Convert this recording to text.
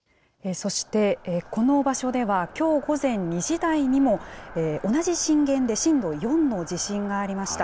そして、この場所では、きょう午前２時台にも、同じ震源で震度４の地震がありました。